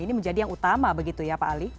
ini menjadi yang utama begitu ya pak ali